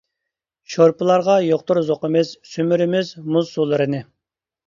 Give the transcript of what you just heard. شورپىلارغا يوقتۇر زوقىمىز، سۈمۈرىمىز مۇز سۇلىرىنى.